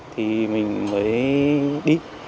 thì mình mới đi